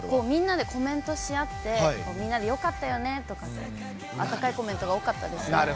みんなでコメントし合って、みんなでよかったよねとか、あったかいコメントが多かったですね。